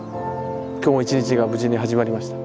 今日も一日が無事に始まりました。